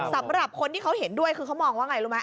สำหรับคนที่เขาเห็นด้วยคือเขามองว่าไงรู้ไหม